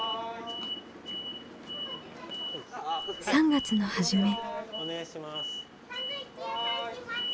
３月の初め。